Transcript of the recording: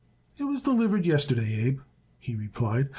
"It was delivered yesterday, Abe," he replied.